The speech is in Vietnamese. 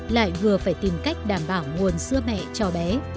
lại vừa phải tìm cách đảm bảo nguồn sữa mẹ cho bé